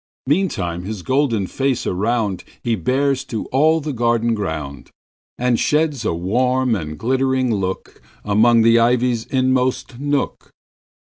Meantime his golden face aroundHe bears to all the garden ground, And sheds a warm and glittering lookAmong the ivy's inmost nook.